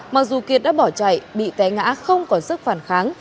mặc dù kiệt đã bỏ chạy bị té ngã không có sức phản kháng